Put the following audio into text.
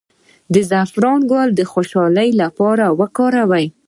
د زعفران ګل د خوشحالۍ لپاره وکاروئ